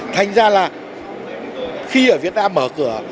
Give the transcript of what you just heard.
thành ra là khi ở việt nam mở cửa